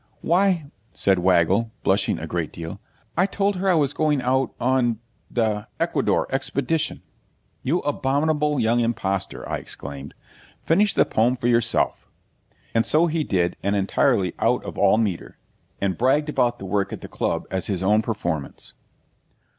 'Why,' said Wiggle, blushing a great deal, 'I told her I was going out on the Ecuador expedition.' 'You abominable young impostor,' I exclaimed. 'Finish the poem for yourself!' And so he did, and entirely out of all metre, and bragged about the work at the Club as his own performance.